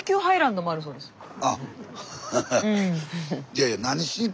あっハッハハ。